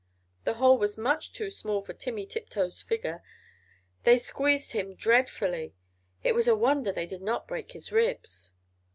The hole was much too small for Timmy Tiptoes' figure. They squeezed him dreadfully, it was a wonder they did not break his ribs.